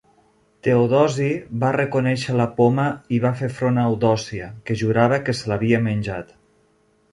Teodosi va reconèixer la poma i va fer front a Eudòcia, que jurava que se l'havia menjat.